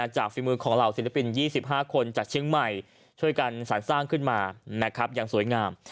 ฝีมือของเหล่าศิลปิน๒๕คนจากเชียงใหม่ช่วยกันสรรสร้างขึ้นมาอย่างสวยงาม